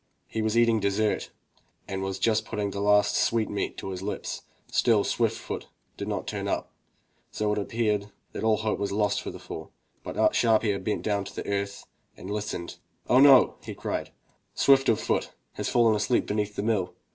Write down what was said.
He was eating dessert and was just putting his last sweetmeat to his lips, still Swift of foot did not turn up, so it appeared that all hope was lost for the fool. But Sharp ear bent down to the earth and listened. "Oh ho! he cried, "Swift of foot has fallen asleep beneath the mill.